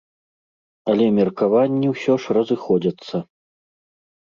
Але меркаванні ўсё ж разыходзяцца.